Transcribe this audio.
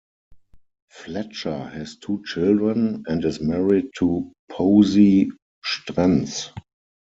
Fletcher has two children and is married to Posie Strenz.